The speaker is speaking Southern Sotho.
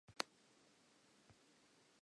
Ruri e ne e le mohaladitwe ka nnete.